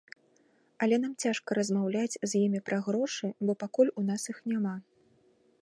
Але нам цяжка размаўляць з імі пра грошы, бо пакуль у нас іх няма.